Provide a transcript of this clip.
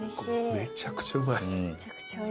めちゃくちゃうまい。